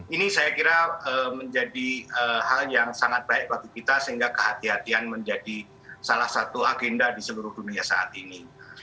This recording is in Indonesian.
ini saya kira menjadi hal yang sangat baik bagi kita sehingga kehatian menjadi salah satu agenda di seluruh dunia saat ini